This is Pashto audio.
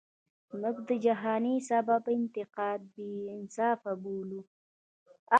مونږ د جهانی سیب انتقاد بی انصافه بولو.